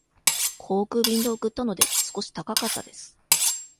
航空便で送ったので、少し高かったです。